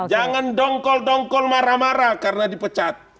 jangan dongkol dongkol marah marah karena dipecat